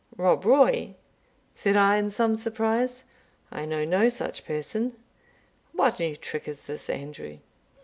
"Rob Roy?" said I, in some surprise; "I know no such person. What new trick is this, Andrew?"